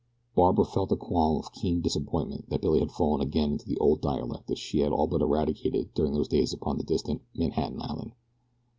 Barbara felt a qualm of keen disappointment that Billy had fallen again into the old dialect that she had all but eradicated during those days upon distant "Manhattan Island."